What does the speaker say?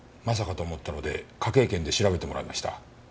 まさかと思ったので科警研で調べてもらいました。